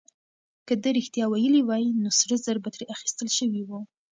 که ده رښتيا ويلي وای، نو سره زر به ترې اخيستل شوي وو.